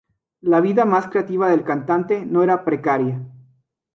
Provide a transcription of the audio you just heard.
La vida más creativa del cantante no era precaria.